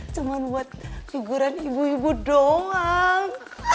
cuman buat keguran ibu ibu doang